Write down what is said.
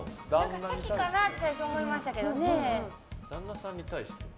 せきかなって最初思いましたけどね。